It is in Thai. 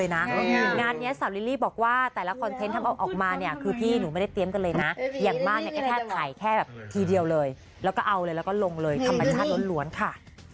อย่างบ้างแค่ถ่ายแค่ทีเดียวเลยแล้วก็เอาเลยแล้วก็ลงเลยคำบัญชาติล้วนค่ะ